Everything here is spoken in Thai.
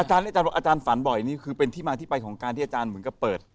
อาจารย์ฝันบ่อยนี่คือเป็นที่มาที่ไปของการที่อาจารย์เหมือนกับเปิด